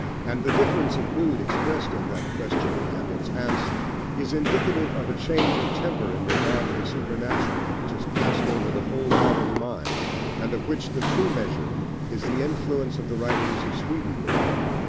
And the difference of mood expressed in that question and its answer, is indicative of a change of temper in regard to the supernatural which has passed over the whole modern mind, and of which the true measure is the influence of the writings of Swedenborg.